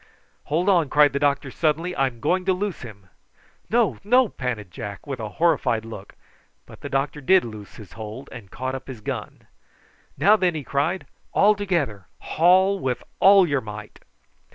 "Hold on!" cried the doctor suddenly. "I'm going to loose him." "No, no!" panted Jack, with a horrified look; but the doctor did loose his hold and caught up his gun. "Now, then," he cried. "All together. Haul with all your might."